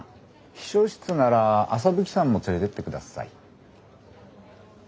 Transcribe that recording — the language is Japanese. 秘書室なら麻吹さんも連れてって下さい。